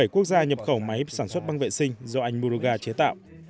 một mươi bảy quốc gia nhập khẩu máy sản xuất băng vệ sinh do anh muruganatham chế tạo